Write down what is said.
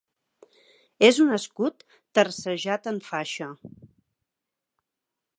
És un escut tercejat en faixa.